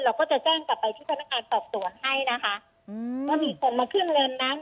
เราก็จะแจ้งกลับไปที่สำนักงานตอบตรวจให้นะคะ